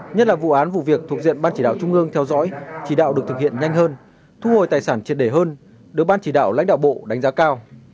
nhất là vụ án vụ việc thuộc diện ban chỉ đạo trung ương theo dõi chỉ đạo được thực hiện nhanh hơn thu hồi tài sản triệt đề hơn được ban chỉ đạo lãnh đạo bộ đánh giá cao